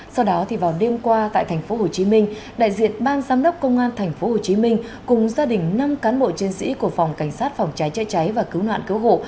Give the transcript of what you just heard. sau đó vào đêm qua tại tp hcm đại diện bang giám đốc công an tp hcm cùng gia đình năm cán bộ chiến sĩ của phòng cảnh sát phòng trái trái trái và cứu nạn cứu hộ